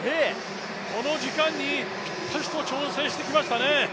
この時間にぴったりと調整してきましたね。